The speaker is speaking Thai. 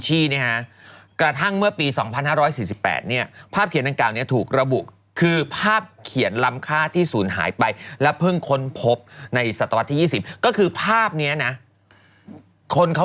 สองพันกว่าบาทเป็นหมื่นล้านนะนะ